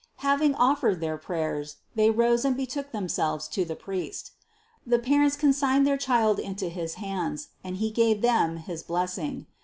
Having offered their prayers, they rose and betook them selves to the priest. The parents consigned their Child into his hands and he gave them his blessing.